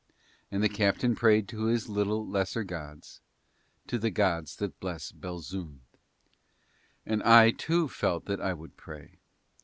And the captain prayed to his little lesser gods, to the gods that bless Belzoond. And I too felt that I would pray.